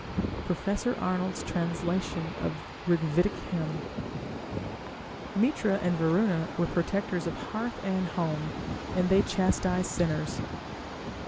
Prof. Arnold's trans. of Rigvedic Hymn. Mitra and Varuna were protectors of hearth and home, and they chastised sinners.